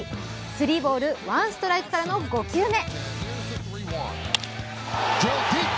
スリーボール・ワンストライクからの５球目。